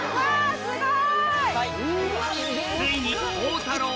すごい！